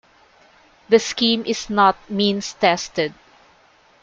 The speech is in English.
The scheme is not means tested.